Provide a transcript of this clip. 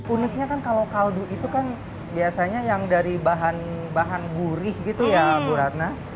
uniknya kan kalau kaldu itu kan biasanya yang dari bahan bahan gurih gitu ya bu ratna